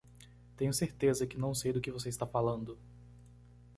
Tenho certeza que não sei do que você está falando!